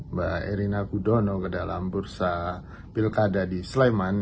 mbak erina gudono ke dalam bursa pilkada di sleman